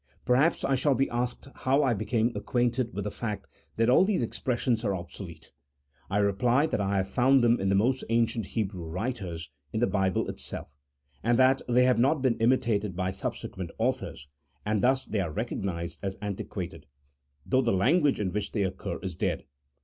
Perhaps I shall be asked how I became acquainted with the fact that all these expressions are obsolete. I reply that I have found them in the most ancient Hebrew writers in the Bible itself, and that they have not been imitated by sub sequent authors, and thus they are recognized as antiquated, though the language in which they occur is dead.